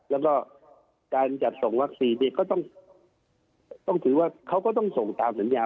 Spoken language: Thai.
แล้วก็การจัดส่งวัคซีนเนี่ยก็ต้องถือว่าเขาก็ต้องส่งตามสัญญา